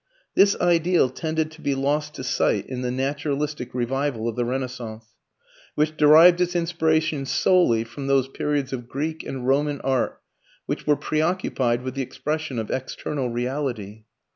This ideal tended to be lost to sight in the naturalistic revival of the Renaissance, which derived its inspiration solely from those periods of Greek and Roman art which were pre occupied with the expression of external reality.